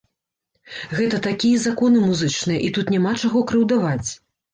Гэта такія законы музычныя, і тут няма чаго крыўдаваць.